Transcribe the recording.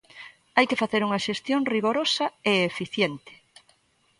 Hai que facer unha xestión rigorosa e eficiente.